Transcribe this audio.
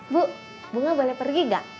bu bu gak boleh pergi gak